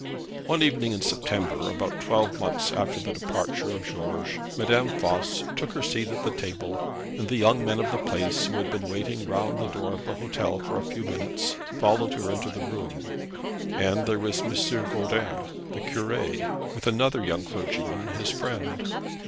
One evening in September, about twelve months after the departure of George, Madame Voss took her seat at the table, and the young men of the place who had been waiting round the door of the hotel for a few minutes, followed her into the room. And there was M. Goudin, the Cure, with another young clergyman, his friend.